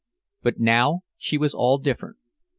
But now she was all different.